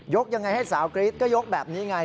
ยังไงให้สาวกรี๊ดก็ยกแบบนี้ไง